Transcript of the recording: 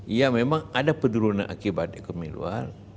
iya memang ada penurunan akibat ekonomi luar